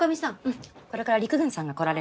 これから陸軍さんが来られるからね。